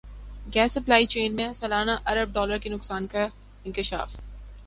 gas supply chain میں سالانہ ارب ڈالر کے نقصان کا انکشاف